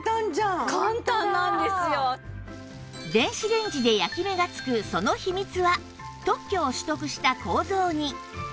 電子レンジで焼き目がつくその秘密は特許を取得した構造に